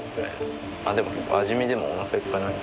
でも味見でもおなかいっぱいになる。